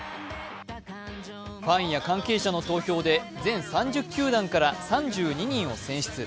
ファンや関係者の投票で全３０球団から３２人を選出。